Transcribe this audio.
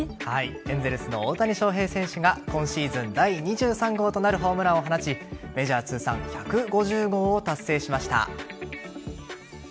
エンゼルスの大谷翔平選手が今シーズン第２３号となるホームランを放ちメジャー通算１５０号を達成しました。